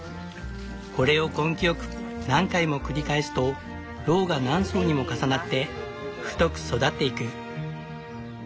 これを根気よく何回も繰り返すとロウが何層にも重なって太く育っていく。